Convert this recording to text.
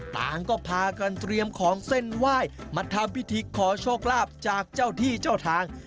ต่างก็พากันเตรียมของเส้นไหว้มาทำพิธีขอโชคลาภจากเจ้าที่เจ้าทาง